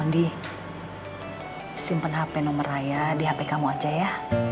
disimpan hp nomor raya di hp kamu aja ya